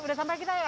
udah sampai kita ya